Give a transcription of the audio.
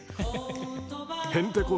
へんてこ